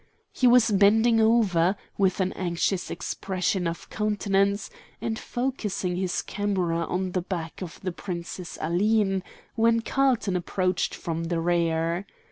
He was bending over, with an anxious expression of countenance, and focussing his camera on the back of the Princess Aline, when Carlton approached from the rear.